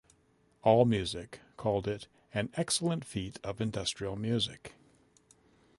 AllMusic called it "an excellent feat of industrial music".